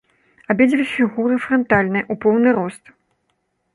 Абедзве фігуры франтальныя, у поўны рост.